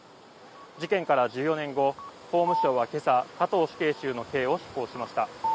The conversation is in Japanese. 事件から１４年後、法務省は今朝加藤死刑囚の刑を執行しました。